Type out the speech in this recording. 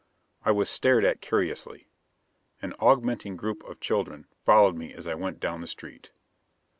I was stared at curiously. An augmenting group of children followed me as I went down the street.